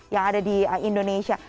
yang ada di indonesia